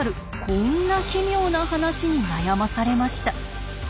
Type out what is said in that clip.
こんな奇妙な話に悩まされました。